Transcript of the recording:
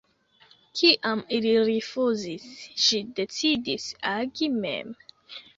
Kiam ili rifuzis, ŝi decidis agi mem.